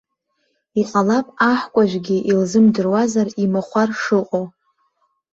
Иҟалап аҳкәажәгьы илзымдыруазар имахәар шыҟоу.